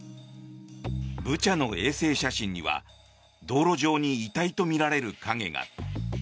ブチャの衛星写真には道路上に遺体とみられる影が。